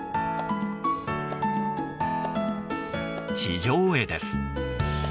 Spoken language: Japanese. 地上絵です。